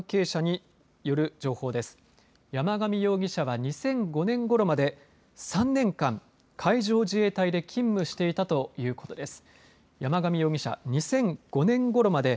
山上容疑者、２００５年ごろまで３年間、海上自衛隊で勤務していたということです。